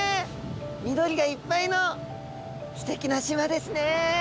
緑がいっぱいのすてきな島ですね。